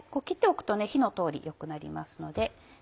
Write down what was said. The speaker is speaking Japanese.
切っておくとね火の通り良くなりますので。